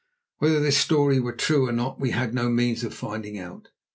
Whether this story were true or not we had no means of finding out.